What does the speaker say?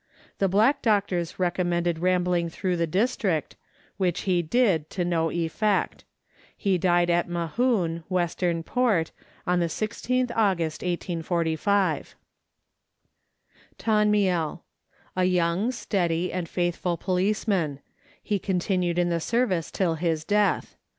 The black doctors recom mended rambling through the district, which he did, to no effect. He died at Mahoon, Western Port, on the 16th August 1845. Tonmiel. A young, steady, and faithful policeman ; he con tinued in the service till his death.